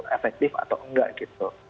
efektif atau enggak gitu